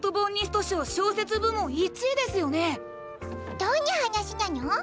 どんな話にゃの？